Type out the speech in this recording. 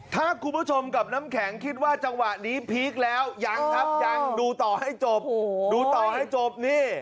ถ้าคุณผู้ชมกับน้ำแข็งคิดว่าจังหวะนี้พีคแล้วยังครับยังดูต่อให้จบ